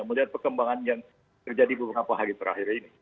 melihat perkembangan yang terjadi beberapa hari terakhir ini